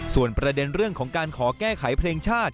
ส่วนประเด็นเรื่องของการขอแก้ไขเพลงชาติ